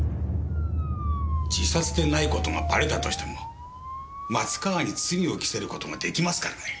自殺でない事がばれたとしても松川に罪を着せる事が出来ますからね。